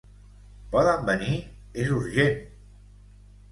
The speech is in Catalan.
Poden venir? És urgent!